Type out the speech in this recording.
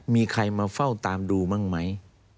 มีใครมาเฝ้าตามดูบ้างไหม